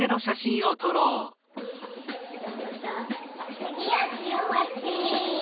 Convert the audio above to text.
つぎはしおまち！